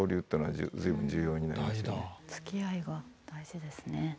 つきあいが大事ですね。